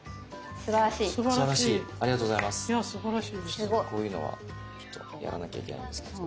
ちょっとこういうのはちょっとやらなきゃいけないんですけど。